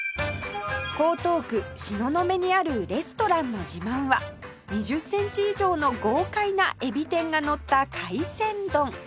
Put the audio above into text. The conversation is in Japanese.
江東区東雲にあるレストランの自慢は２０センチ以上の豪快なエビ天がのった海鮮丼